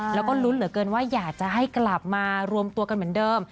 แล้วก็ลุ้นเหลือเกินว่าอยากจะให้กลับมารวมตัวกันเหมือนเดิม